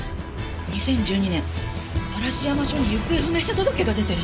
２０１２年嵐山署に行方不明者届が出てる。